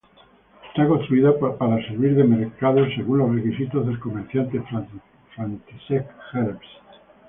Esta fue construida para servir de mercado según los requisitos del comerciante František Herbst.